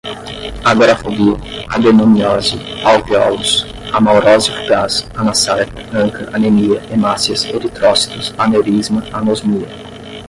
agorafobia, adenomiose, alvéolos, amaurose fugaz, anasarca, anca, anemia, hemácias, eritrócitos, aneurisma, anosmia